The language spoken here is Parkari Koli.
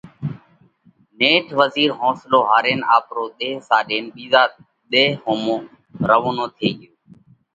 نيٺ وزِير حونصلو هارينَ آپرو ۮيه ساڏينَ ٻِيزا ۮيه ۿومو روَونو ٿي ڳيو۔